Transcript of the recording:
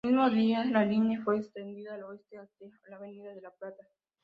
El mismo día, la línea fue extendida al oeste hasta Avenida La Plata.